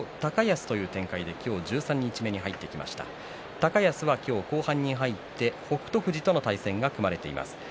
高安は今日後半で北勝富士との対戦が組まれています。